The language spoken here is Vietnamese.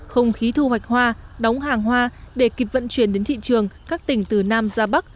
không khí thu hoạch hoa đóng hàng hoa để kịp vận chuyển đến thị trường các tỉnh từ nam ra bắc